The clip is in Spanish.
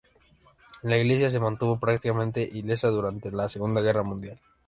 La iglesia se mantuvo prácticamente ilesa durante la Segunda Guerra Mundial.